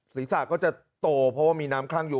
ศีรษะก็จะโตเพราะว่ามีน้ำคลั่งอยู่